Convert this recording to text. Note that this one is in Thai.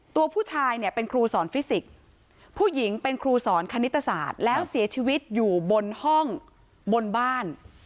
ตัวผู้ชายเนี่ยเป็นครูสอนฟิสิกส์ผู้หญิงเป็นครูสอนคณิตศาสตร์แล้วเสียชีวิตอยู่บนห้องบนบ้าน